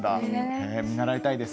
へえ見習いたいです。